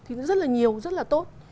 thì rất là nhiều rất là tốt